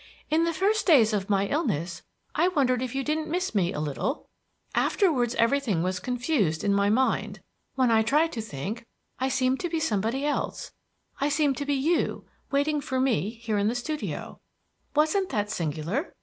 "In the first days of my illness I wondered if you didn't miss me a little; afterwards everything was confused in my mind. When I tried to think, I seemed to be somebody else, I seemed to be you waiting for me here in the studio. Wasn't that singular?